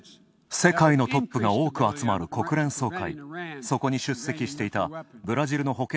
世界のトップが多く集まる国連総会。